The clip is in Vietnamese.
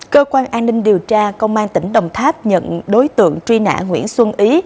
cơ quan an ninh điều tra công an tỉnh đồng tháp nhận đối tượng truy nã nguyễn xuân ý